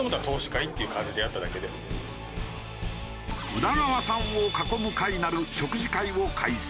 「宇田川さんを囲む会」なる食事会を開催。